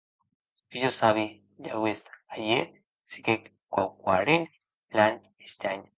Çò que jo sabí d’aguest ahèr siguec quauquarren plan estranh.